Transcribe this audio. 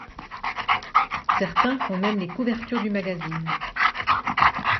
Certains font même les couvertures du magazine.